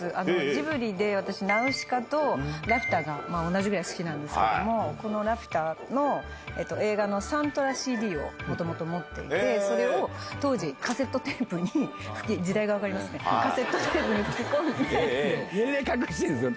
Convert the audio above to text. ジブリで私、ナウシカとラピュタが同じぐらい好きなんですけども、このラピュタの映画のサントラＣＤをもともと持っていて、それを当時、カセットテープに、時代が分かりますね、年齢隠してる？